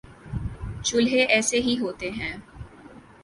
چولہے ایسے ہی ہوتے ہوں